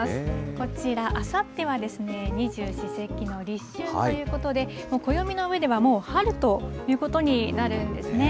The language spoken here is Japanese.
こちら、あさってはですね、二十四節気の立春ということで、暦の上ではもう春ということになるんですね。